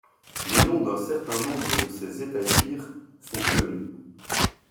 Les noms d'un certain nombre de ces hétaïres sont connus.